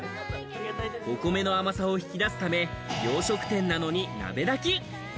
お米の甘さを引き出すため、洋食店なのに鍋炊き。